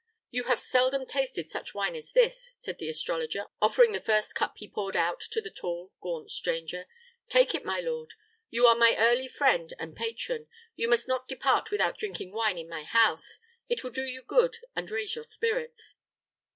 "You have seldom tasted such wine as this," said the astrologer, offering the first cup he poured out to the tall gaunt stranger. "Take it, my lord. You are my early friend and patron; and you must not depart without drinking wine in my house. It will do you good, and raise your spirits."